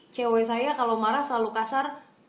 cewek saya kalau marah selalu kasar